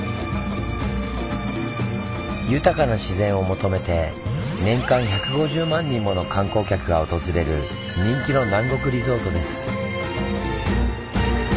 豊かな自然を求めて年間１５０万人もの観光客が訪れる人気の南国リゾートです。